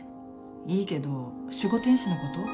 いいけど守護天使のこと？